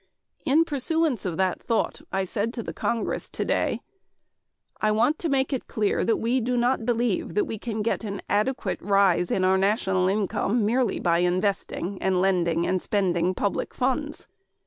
In pursuance of that thought I said to the Congress today: "I want to make it clear that we do not believe that we can get an adequate rise in national income merely by investing, and lending or spending public funds.